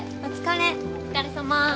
お疲れさま。